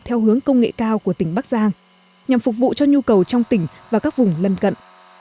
theo hướng công nghệ cao của tỉnh bắc giang nhằm phục vụ cho nhu cầu trong tỉnh và các vùng lân cận